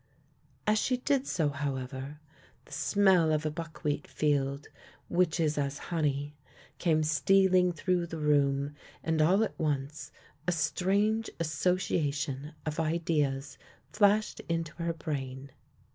As she did so, however, the smell of a buckwheat field, which is as honey, came stealing through the room, and all THE LANE THAT HAD NO TURNING 41 at once a strange association of ideas flashed into her brain.